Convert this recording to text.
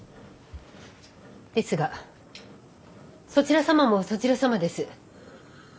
ですがそちら様もそちら様です。